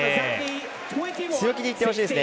強気にいってほしいですね。